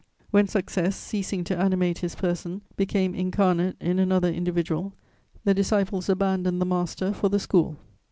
When success, ceasing to animate his person, became incarnate in another individual, the disciples abandoned the master for the school.